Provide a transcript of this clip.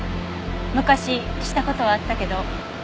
昔した事はあったけど。